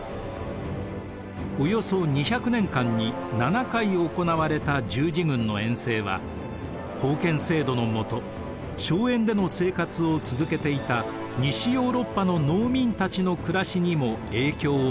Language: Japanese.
およそ２００年間に７回行われた十字軍の遠征は封建制度のもと荘園での生活を続けていた西ヨーロッパの農民たちの暮らしにも影響を与えます。